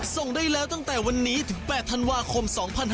ส่งได้แล้วตั้งแต่วันนี้ถึง๘ธันวาคม๒๕๖๒